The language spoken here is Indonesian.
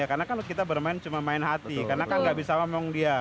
karena kan kita bermain cuma main hati karena kan tidak bisa memang dia